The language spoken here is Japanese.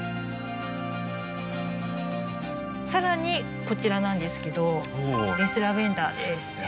さらにこちらなんですけどレースラベンダーです。